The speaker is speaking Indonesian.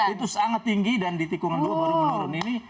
itu sangat tinggi dan di tikungan dua baru menurun ini